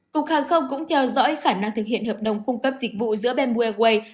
cục hàng không cũng theo dõi khả năng thực hiện hợp đồng cung cấp dịch vụ giữa bamboo airways